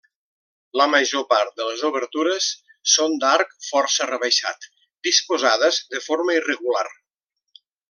La major part de les obertures són d'arc força rebaixat, disposades de forma irregular.